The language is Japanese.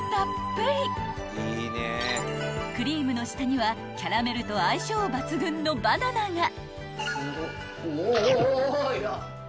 ［クリームの下にはキャラメルと相性抜群のバナナが］